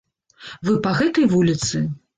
Вы па гэтай вуліцы?